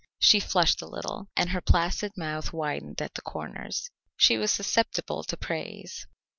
She flushed a little, and her placid mouth widened at the corners. She was susceptible to praise.